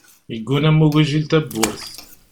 Igguni am ugujil tabburt.